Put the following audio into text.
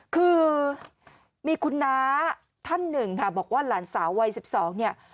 คือมีคุณน้าท่านหนึ่งค่ะบอกว่าหลานสาววัย๑๒เนี่ย